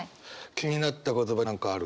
気になった言葉何かある？